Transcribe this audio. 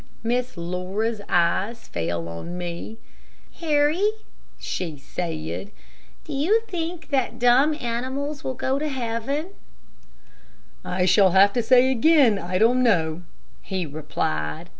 Miss Laura's eyes fell on me. "Harry," she said, "do you think that dumb animals will go to heaven?" "I shall have to say again, I don't know," he replied.